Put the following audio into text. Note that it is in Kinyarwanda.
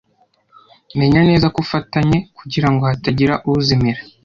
Menya neza ko ufatanye kugirango hatagira uzimira.